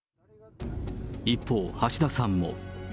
一方、橋田さんも。